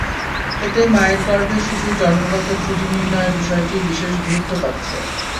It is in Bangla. এতে মায়ের গর্ভে শিশুর জন্মগত ত্রুটি নির্ণয়ের বিষয়টি বিশেষ গুরুত্ব পাচ্ছে।